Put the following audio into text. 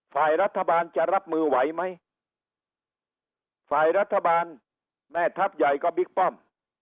ฝ่ายรัฐบาลจะรับมือไหวไหมฝ่ายรัฐบาลแม่ทัพใหญ่ก็บิ๊กป้อม